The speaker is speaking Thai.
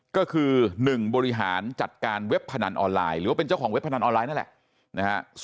ก็คือ๑บริหารจัดการเว็บพนันออนไลน์หรือว่าเป็นเจ้าของเว็บพนันออนไลน์นั่นแหละนะฮะ